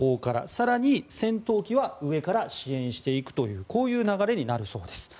更に、戦闘機は上から支援していくというこういう流れになるそうです。